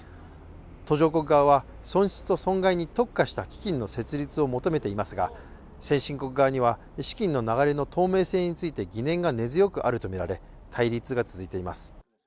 途上国側は、損失と損害に特化した基金の設立を求めていますが先進国側には資金の流れの透明性について疑念が根強くあるとみられ対立が続いています。